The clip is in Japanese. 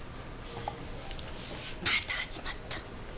また始まった。